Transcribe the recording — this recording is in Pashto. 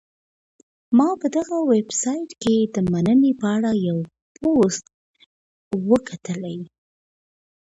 ما په دغه ویبسایټ کي د مننې په اړه یو پوسټ وکهمېشهی.